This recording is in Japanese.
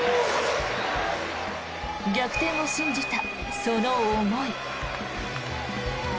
逆転を信じたその思い。